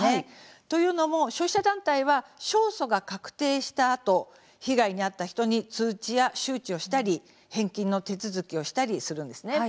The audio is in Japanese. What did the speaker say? というのも消費者団体は勝訴が確定したあと被害に遭った人に通知や周知をしたり返金の手続きをしたりするんです。